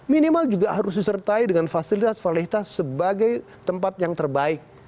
minimal juga harus disertai dengan fasilitas fasilitas sebagai tempat yang terbaik